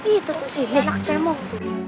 itu tuh sih anak cemong